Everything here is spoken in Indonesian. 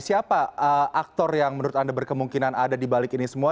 siapa aktor yang menurut anda berkemungkinan ada di balik ini semua